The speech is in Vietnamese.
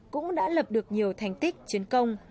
cũng đã lập được nhiều thành tích chiến công